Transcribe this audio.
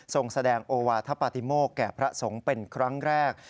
ส่งแสดงโอวาธปฏิโมกแก่พระสงฆ์เป็นครั้งแรก